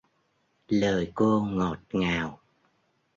Lời cô ngọt ngào